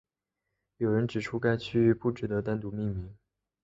有人指出该区域不值得单独命名。